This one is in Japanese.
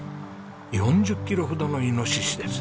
４０キロほどのイノシシです。